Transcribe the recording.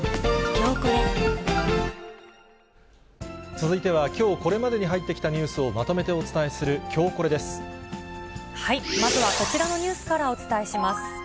続いては、きょうこれまでに入ってきたニュースをまとめてお伝えするきょうまずはこちらのニュースからお伝えします。